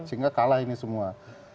sehingga kalah ini semua